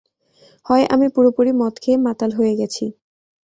হয় আমি পুরোপুরি মদ খেয়ে মাতাল হয়ে গেছি!